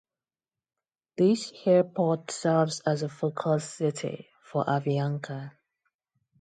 This airport serves as a focus city for Avianca.